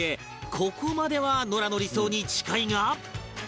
ここまではノラの理想に近いが